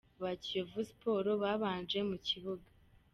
ba Kiyovu Sport babanje mu kibuga.